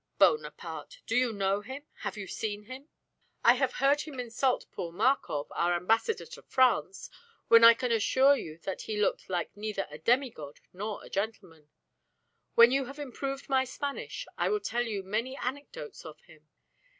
Bonaparte! Do you know him? Have you seen him?" "I have seen him insult poor Markov, our ambassador to France, when I can assure you that he looked like neither a demi god nor a gentleman. When you have improved my Spanish I will tell you many anecdotes of him.